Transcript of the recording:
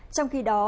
trong khi đó